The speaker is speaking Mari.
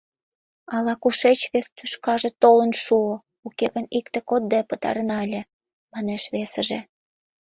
— Ала-кушеч вес тӱшкаже толын шуо, уке гын икте кодде пытарена ыле, — манеш весыже.